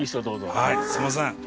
はいすいません。